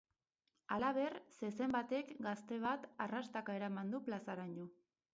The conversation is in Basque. Halaber, zezen batek gazte bat arrastaka eraman du plazaraino.